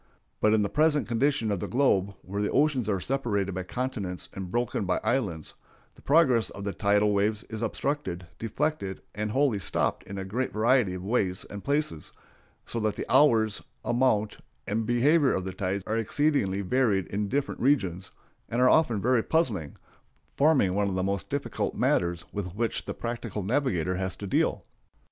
But in the present condition of the globe, where the oceans are separated by continents and broken by islands, the progress of the tidal waves is obstructed, deflected, and wholly stopped in a great variety of ways and places, so that the hours, amount, and behavior of the tides are exceedingly varied in different regions, and are often very puzzling, forming one of the most difficult matters with which the practical navigator has to deal.